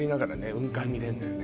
雲海見れんのよね